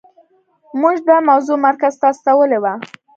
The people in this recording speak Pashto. موږ دا موضوع مرکز ته استولې وه.